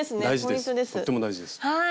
とっても大事です。